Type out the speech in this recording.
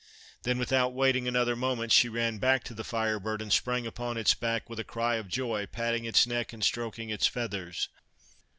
Then, without waiting another moment, she ran back to the Fire Bird, and sprang upon its back with a cry of joy, patting its neck and stroking its feathers.